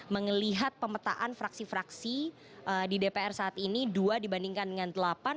mengelihat pemetaan fraksi fraksi di dpr saat ini dua dibandingkan dengan delapan